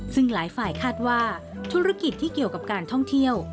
ซึ่งหลายฝ่ายคาดว่าธุรกิจที่เกี่ยวกับการท่องเที่ยว